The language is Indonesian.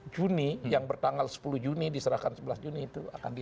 juni yang bertanggal sepuluh juni diserahkan sebelas juni itu akan di